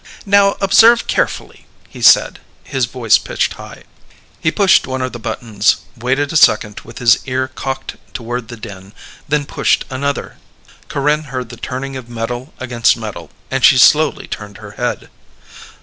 "Now observe carefully," he said, his voice pitched high. He pushed one of the buttons, waited a second with his ear cocked toward the den, then pushed another. Corinne heard the turning of metal against metal, and she slowly turned her head.